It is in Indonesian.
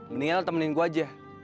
mendingan lo temenin gue aja